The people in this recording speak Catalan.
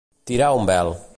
Tirar un vel.